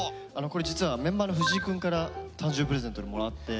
これ実はメンバーの藤井くんから誕生日プレゼントにもらって。